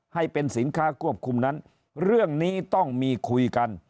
ให้เป็นสินค้าควบคุมนั้นเรื่องนี้ต้องมีคุยกัน